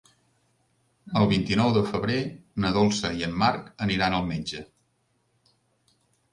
El vint-i-nou de febrer na Dolça i en Marc aniran al metge.